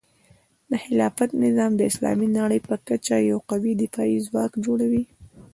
د خلافت نظام د اسلامي نړۍ په کچه یو قوي دفاعي ځواک جوړوي.